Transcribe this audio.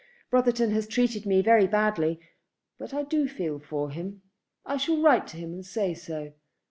Brotherton has treated me very badly, but I do feel for him. I shall write to him and say so.